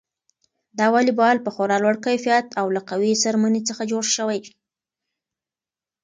دا واليبال په خورا لوړ کیفیت او له قوي څرمنې څخه جوړ شوی.